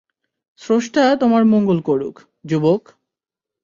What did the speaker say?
স্রষ্টা তোমার মঙ্গল করুক, যুবক!